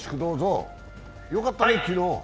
よかったね、昨日。